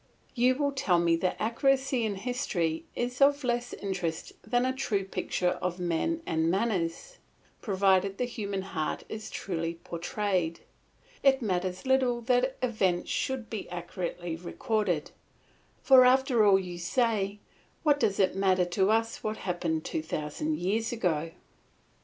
You will tell me that accuracy in history is of less interest than a true picture of men and manners; provided the human heart is truly portrayed, it matters little that events should be accurately recorded; for after all you say, what does it matter to us what happened two thousand years ago?